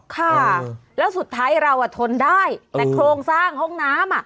ค่ะแล้วสุดท้ายเราอ่ะทนได้แต่โครงสร้างห้องน้ำ